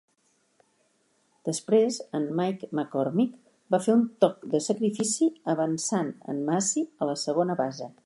Després en Mike McCormick va fer un toc de sacrifici, avançant en Masi a la segona base.